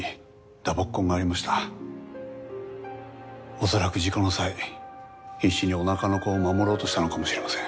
おそらく事故の際必死におなかの子を守ろうとしたのかもしれません。